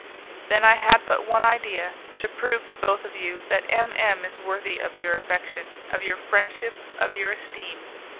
Then I had but one idea; to prove to both of you that M M is worthy of your affection, of your friendship, of your esteem.